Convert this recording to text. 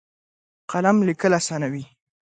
قلم لیکل اسانوي.